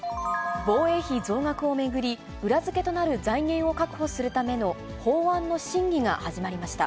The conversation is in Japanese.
防衛費増額を巡り、裏付けとなる財源を確保するための法案の審議が始まりました。